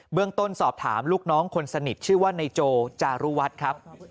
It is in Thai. เรื่องต้นสอบถามลูกน้องคนสนิทชื่อว่านายโจจารุวัฒน์ครับ